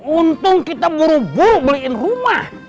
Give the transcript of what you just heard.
untung kita buru buru beliin rumah